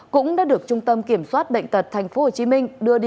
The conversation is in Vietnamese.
cũng đã được trung tâm kiểm soát bệnh tật tp hcm đưa đi